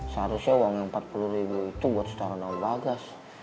seharusnya uangnya rp empat puluh itu buat setaraan om bagas